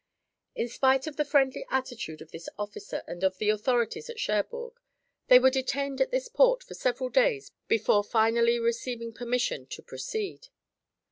In spite of the friendly attitude of this officer and of the authorities at Cherbourg, they were detained at this port for several days before finally receiving permission to proceed.